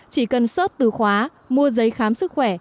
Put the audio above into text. chỉ cần sót từ khóa mua giấy khám sức khỏe